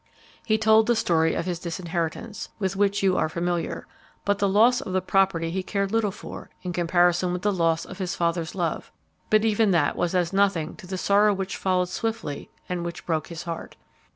He told the story of his disinheritance, with which you are familiar; but the loss of the property he cared little for in comparison with the loss of his father's love; but even that was as nothing to the sorrow which followed swiftly and which broke his heart.